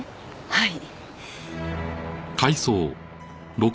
はい。